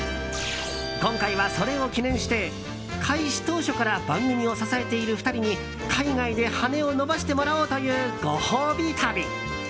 今回は、それを記念して開始当初から番組を支えている２人に海外で羽を伸ばしてもらおうというご褒美旅。